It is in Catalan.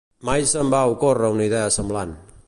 Mai se'm va ocórrer una idea semblant.